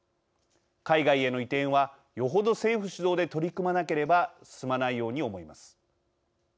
海外への移転は、よほど政府主導で取り組まなければ進まないように思います。